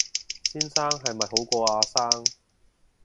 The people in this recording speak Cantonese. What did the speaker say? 先生係咪好過阿生